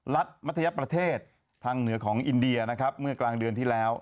มัธยประเทศทางเหนือของอินเดียนะครับเมื่อกลางเดือนที่แล้ว